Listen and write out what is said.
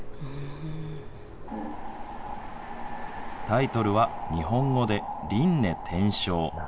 タイトルは、日本語で輪廻転生。